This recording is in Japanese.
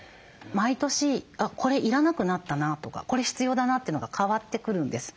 毎年これ要らなくなったなとかこれ必要だなっていうのが変わってくるんです。